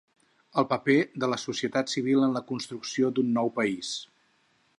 El paper de la societat civil en la construcció d’un nou país.